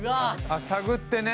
探ってね。